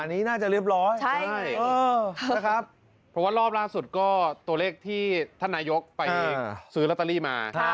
เพราะว่ารอบล่าสุดก็ตัวเลขที่ท่านนายกไปอืมซื้อลัตเตอรี่มาครับ